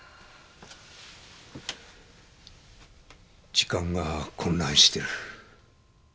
時間が混乱してる。